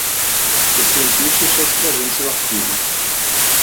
O cientista está escrevendo seu artigo.